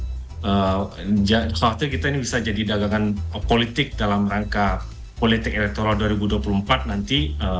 sesuatu kita ini bisa jadi dagangan politik dalam rangka politik elektoral dua ribu dua puluh empat nanti